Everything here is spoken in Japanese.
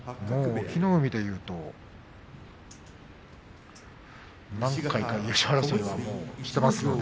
隠岐の海というと何回か優勝争いしていますので。